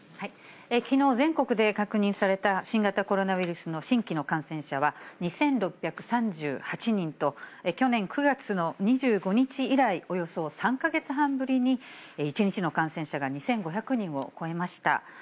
きのう、全国で確認された新型コロナウイルスの新規の感染者は２６３８人と、去年９月の２５日以来、およそ３か月半ぶりに、１日の感染者が２５００人を超えました。